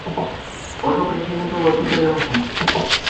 Oso presidente bortitza izan zen.